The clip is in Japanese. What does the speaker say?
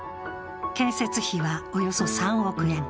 建設費はおよそ３億円。